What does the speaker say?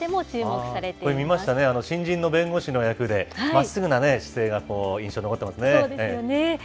これ、見ましたね、新人の弁護士の役で、まっすぐな姿勢が印そうですよね。